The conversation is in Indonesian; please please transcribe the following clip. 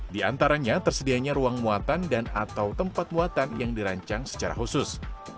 di antaranya tersedianya ruang muatan dan atau tempat muatan yang dirancang secara khusus